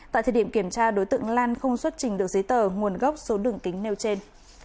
tại thời điểm kiểm tra đối tượng lan không xuất trình được giấy tờ nguồn gốc số đường kính nêu trên